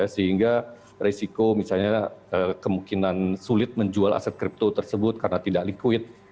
sehingga resiko misalnya kemungkinan sulit menjual aset kripto tersebut karena tidak liquid